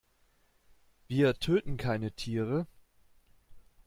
Wir töten keine Tiere.